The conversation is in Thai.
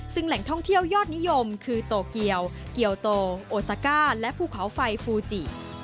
ซึ่งแหล่งท่องเที่ยวยอดนิยมคือโตเกียวเกียวโตโอซาก้าและภูเขาไฟฟูจิ